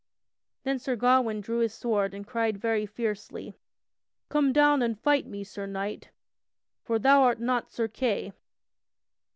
Then Sir Gawain drew his sword and cried very fiercely: "Come down and fight me, Sir Knight! For thou art not Sir Kay!"